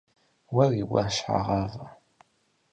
- Уэри уэ, щхьэгъавэ!